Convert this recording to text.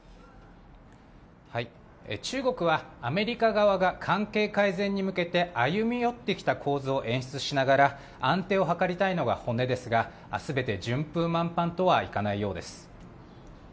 中国は、アメリカ側が関係改善に向けて歩み寄ってきた構図を演出しながら、安定を図りたいのが本音ですが、すべて順風満帆とはいかないようです。